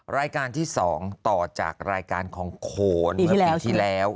รายการที่๒ต่อจากรายการของโขนเมื่อปีที่แล้ว